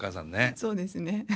そうですね。